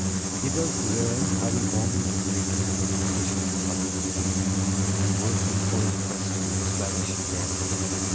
He thus learned how Yvonne was living in a fisher's hut on the beach, and working for his rescue as well as she dared.